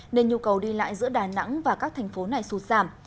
nên nhu cầu đi lại giữa đà nẵng và các thành phố này sụt giảm